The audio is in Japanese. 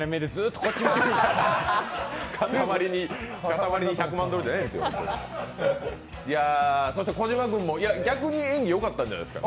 かたまりに１００万ドルじゃないですよ。